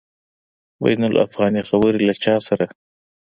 بین الافغاني خبري له چا سره؟